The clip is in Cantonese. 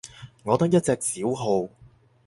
我得一隻小號